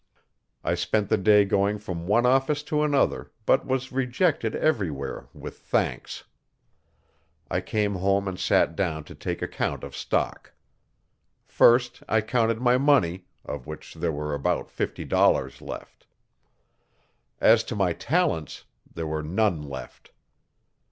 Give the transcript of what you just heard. I spent the day going from one office to another, but was rejected everywhere with thanks. I came home and sat down to take account of stock. First, I counted my money, of which there were about fifty dollars left. As to my talents, there were none left.